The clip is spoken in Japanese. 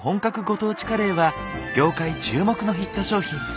ご当地カレーは業界注目のヒット商品。